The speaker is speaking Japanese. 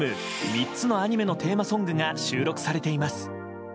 ３つのアニメのテーマソングが収録されています。